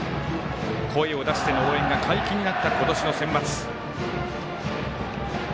声を出しての応援が解禁になった今年のセンバツ。